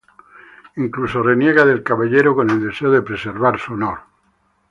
Incluso reniega del caballero con el deseo de preservar su honor.